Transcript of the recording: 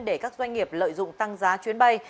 để các doanh nghiệp lợi dụng tăng giá chuyến bay